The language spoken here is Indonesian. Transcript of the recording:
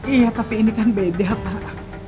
iya tapi ini kan beda pak